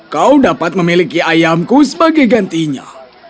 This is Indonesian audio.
kau dapat memiliki ayamku sebagai gantinya